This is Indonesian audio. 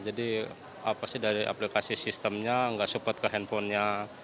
jadi apa sih dari aplikasi sistemnya nggak support ke handphonenya